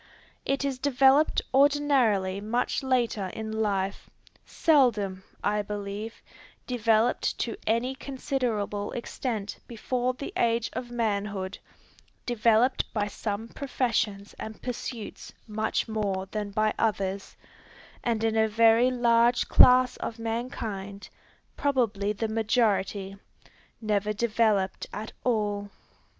It is developed ordinarily much later in life, seldom, I believe, developed to any considerable extent before the age of manhood, developed by some professions and pursuits much more than by others, and in a very large class of mankind, probably the majority, never developed at all.